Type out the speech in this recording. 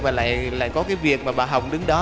và lại có cái việc mà bà hồng đứng đó